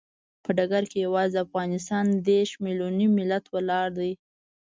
په ډګر کې یوازې د افغانستان دیرش ملیوني ملت ولاړ دی.